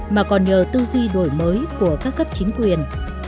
mà còn nhờ tư duy đổi mới của các cấp chính quyền